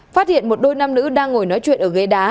phát hiện một đôi nam nữ đang ngồi nói chuyện ở ghế đá